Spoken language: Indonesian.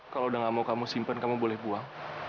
kalau sudah tidak mau kamu simpan kamu boleh buang